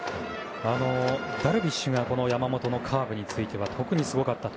ダルビッシュが山本のカーブについて特にすごかったと。